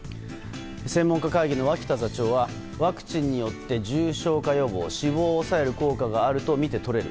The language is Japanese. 専門家会議の脇田座長はワクチンによって重症化予防死亡を抑える効果があると見て取れる。